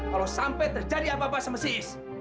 kalau sampai terjadi apa apa sama si iis